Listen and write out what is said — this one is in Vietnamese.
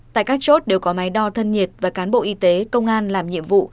tại các chốt đều có máy đo thân nhiệt và cán bộ y tế công an làm nhiệm vụ